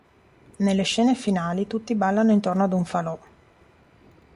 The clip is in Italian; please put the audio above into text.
Nelle scene finali tutti ballano intorno ad un falò.